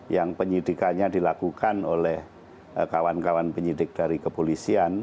yang penyidikannya dilakukan oleh kawan kawan penyidik dari kepolisian